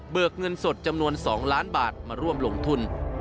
เงินสดจำนวน๒ล้านบาทมาร่วมลงทุน